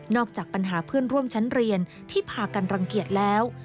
จากปัญหาเพื่อนร่วมชั้นเรียนที่พากันรังเกียจแล้ว